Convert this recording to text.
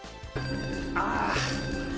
ああ。